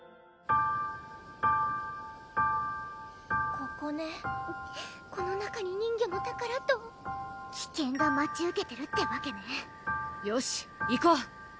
ここねこの中に人魚の宝と危険が待ち受けてるってわけねよし行こう！